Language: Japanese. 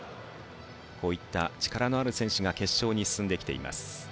こういった力のある選手が決勝に進んできています。